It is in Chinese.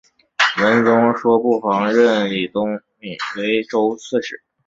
文宗说不妨任李宗闵为州刺史。